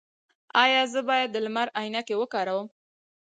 ایا زه باید د لمر عینکې وکاروم؟